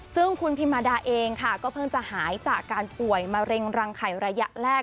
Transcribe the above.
ซึ่งคุณพิมมาดาเองค่ะก็เพิ่งจะหายจากการป่วยมะเร็งรังไข่ระยะแรก